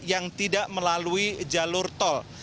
yang tidak melalui jalur tol